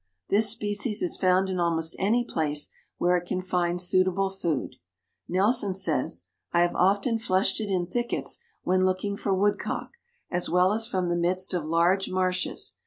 This species is found in almost any place where it can find suitable food. Nelson says: "I have often flushed it in thickets when looking for woodcock, as well as from the midst of large marshes.